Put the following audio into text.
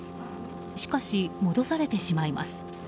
しかし、戻されてしまいます。